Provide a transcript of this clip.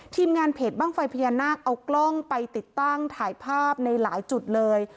ทีมงานเพจบ้างไฟพญานาคเอากล้องไปติดตั้งถ่ายภาพในหลายจุดเลย